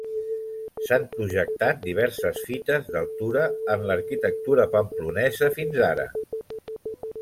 S'han projectat diverses fites d'altura en l'arquitectura pamplonesa fins ara.